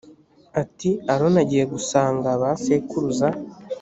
ati aroni agiye gusanga ba sekuruza